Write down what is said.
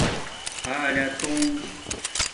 حالتُݸنݣ